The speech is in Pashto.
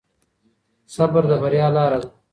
صبر د بريا لاره ده.